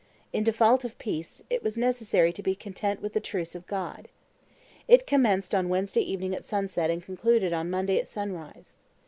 In default of peace, it was necessary to be content with the truce of God. It commenced on Wednesday evening at sunset and concluded on Monday at sunrise.